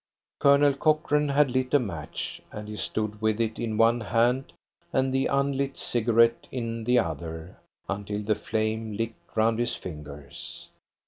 Colonel Cochrane had lit a match, and he stood with it in one hand and the unlit cigarette in the other until the flame licked round his fingers.